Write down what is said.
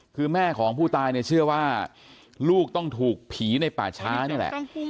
คือแม่ของผู้ตายเนี่ยเชื่อว่าลูกต้องถูกผีในป่าช้านี่แหละ